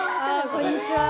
こんにちは。